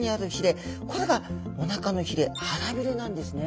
これがおなかのひれ腹びれなんですね。